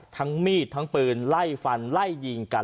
มีดทั้งปืนไล่ฟันไล่ยิงกัน